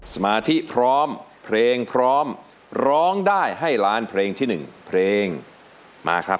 สมาธิพร้อมเพลงพร้อมร้องได้ให้ล้านเพลงที่๑เพลงมาครับ